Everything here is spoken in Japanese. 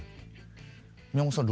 宮本さん